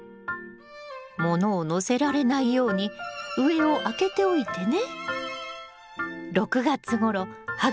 物を載せられないように上を開けておいてね。